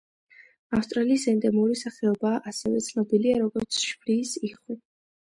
ავსტრალიის ენდემური სახეობაა, ასევე ცნობილია როგორც შვრიის იხვი.